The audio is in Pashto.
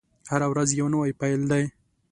هره ورځ يو نوی پيل دی.